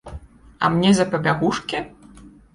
А мне за пабягушкі?